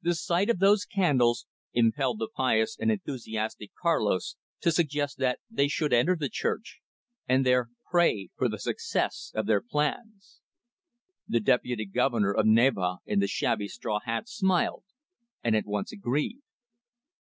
The sight of those candles impelled the pious and enthusiastic Carlos to suggest that they should enter the church, and there pray for the success of their plans. The Deputy Governor of Navarre in the shabby straw hat smiled, and at once agreed.